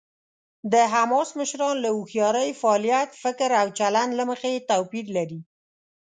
د حماس مشران له هوښیارۍ، فعالیت، فکر او چلند له مخې توپیر لري.